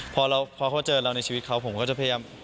พอเขาเจอเราในชีวิตเขาผมก็จะพยายาม